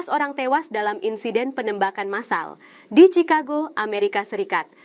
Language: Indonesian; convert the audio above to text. tujuh belas orang tewas dalam insiden penembakan masal di chicago amerika serikat